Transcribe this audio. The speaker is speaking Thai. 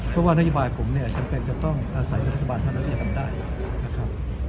เพราะว่านโยบายผมเนี่ยจำเป็นจะต้องอาศัยรัฐบาลเท่านั้นที่จะทำได้นะครับ